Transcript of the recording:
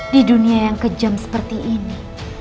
di dunia yang kejam seperti ini